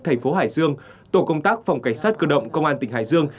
thành phố hải dương tổ công tác phòng cảnh sát cơ động công an tỉnh hải dương